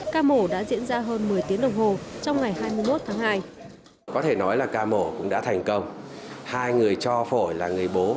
ca mổ đã diễn ra hơn một mươi tiếng đồng hồ trong ngày hai mươi một tháng hai